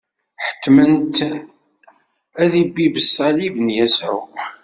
Ḥettmen-t ad ibibb ṣṣalib n Yasuɛ.